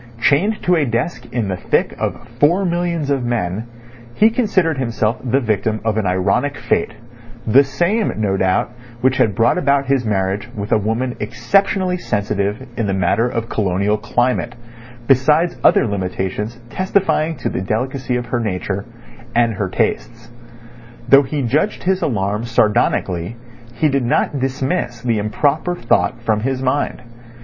Chained to a desk in the thick of four millions of men, he considered himself the victim of an ironic fate—the same, no doubt, which had brought about his marriage with a woman exceptionally sensitive in the matter of colonial climate, besides other limitations testifying to the delicacy of her nature—and her tastes. Though he judged his alarm sardonically he did not dismiss the improper thought from his mind.